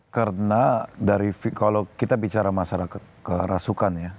karena dari kalau kita bicara masalah kerasukan ya